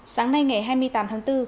sáng nay ngày hai mươi tám tháng bốn